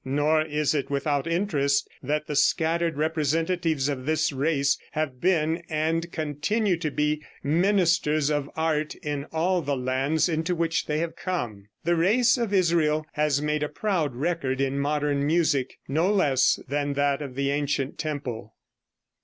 Nor is it without interest that the scattered representatives of this race have been and continue to be ministers of art in all the lands into which they have come. The race of Israel has made a proud record in modern music, no less than that of the ancient temple.